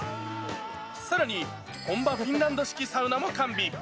さらに、本場フィンランド式サウナも完備。